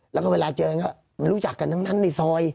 แล้วก็เวลาเจอกันก็ไม่รู้จักกันทั้งนั้นในซอย